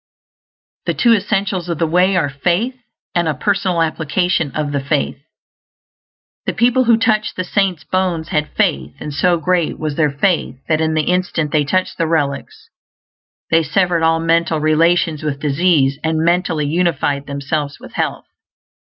The two essentials of the Way are Faith, and a Personal Application of the Faith. The people who touched the saint's bones had faith; and so great was their faith that in the instant they touched the relics they SEVERED ALL MENTAL RELATIONS WITH DISEASE, AND MENTALLY UNIFIED THEMSELVES WITH HEALTH.